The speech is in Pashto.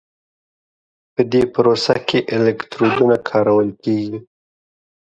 په دې پروسه کې الکترودونه کارول کېږي.